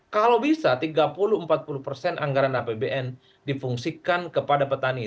kalau bisa tiga puluh empat puluh persen anggaran apbn difungsikan kepada petani